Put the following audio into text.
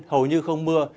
hầu như không mưa